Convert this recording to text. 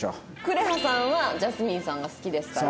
くれはさんはジャスミンさんが好きですから。